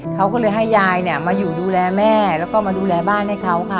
เขาก็เลยให้ยายเนี่ยมาอยู่ดูแลแม่แล้วก็มาดูแลบ้านให้เขาค่ะ